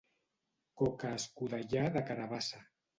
Coca escudellà de carabassa.